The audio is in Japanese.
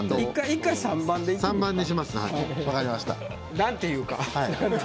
何て言うか。